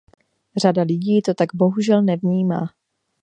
Řada lidí to tak bohužel nevnímá.